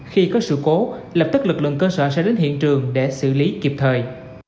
khi có sự cố lập tức lực lượng cơ sở sẽ đến hiện trường để xử lý kịp thời